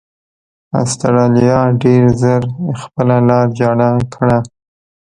اسټرالیا ډېر ژر خپله لار جلا کړه.